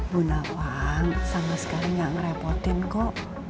bu nawang sama sekali gak ngerepotin kok